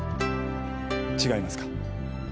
違いますか？